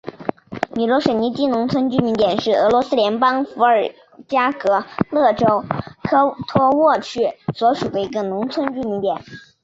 米罗什尼基农村居民点是俄罗斯联邦伏尔加格勒州科托沃区所属的一个农村居民点。